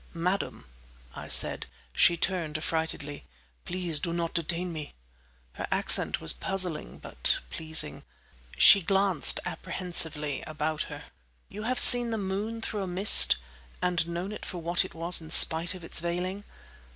"Madam," I said. She turned affrightedly. "Please do not detain me!" Her accent was puzzling, but pleasing. She glanced apprehensively about her. You have seen the moon through a mist?—and known it for what it was in spite of its veiling?